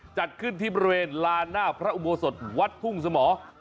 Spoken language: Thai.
จัดขึ้นที่บริเวณลานหน้าพระอุโบสถวัดทุ่งสมร